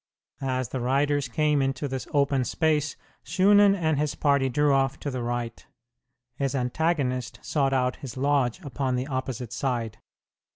As the riders came into this open space Shunan and his party drew off to the right. His antagonist sought out his lodge upon the opposite side.